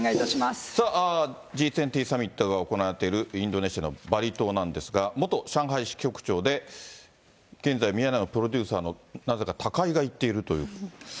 さあ、Ｇ２０サミットが行われているインドネシアのバリ島なんですが、元上海支局長で、現在、ミヤネ屋のプロデューサーのなぜか高井が行っているという。